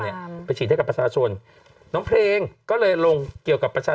ไปฉีดให้กับประชาชนน้องเพลงก็เลยลงเกี่ยวกับประชา